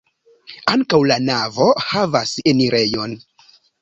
Ankaŭ la navo havas enirejon.